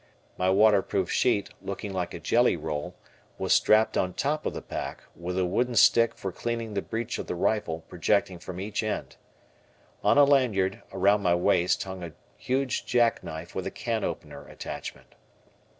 My waterproof sheet, looking like a jelly roll, was strapped on top of the pack, with a wooden stick for cleaning the breach of the rifle projecting from each end. On a lanyard around my waist hung a huge jackknife with a can opener attachment.